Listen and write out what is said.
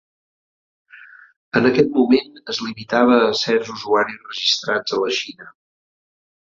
En aquest moment es limitava a certs usuaris registrats a la Xina.